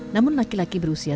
namun laki laki berusia